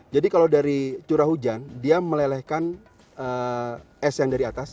jadi kalau dari curah hujan dia melelehkan es yang dari atas